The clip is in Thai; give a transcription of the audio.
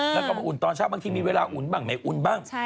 แล้วก็มาอุ่นตอนเช้าบางทีมีเวลาอุ่นบ้างไม่อุ่นบ้าง